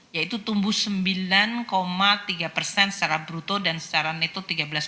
yaitu tumbuh sembilan tiga secara bruto dan secara neto tiga belas satu